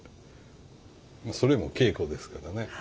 それも稽古ですからね。